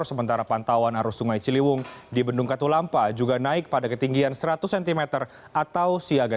sementara pantauan arus sungai ciliwung di bendung katulampa juga naik pada ketinggian seratus cm atau siaga